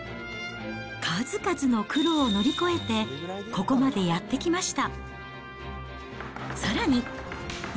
数々の苦労を乗り越えて、ここまでやってきました。